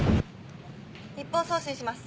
一方送信します。